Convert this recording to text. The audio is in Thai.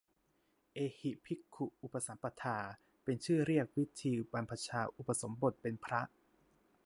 เอหิภิกขุอุปสัมปทา เป็นชื่อเรียกวิธีบรรพชาอุปสมบทเป็นพระ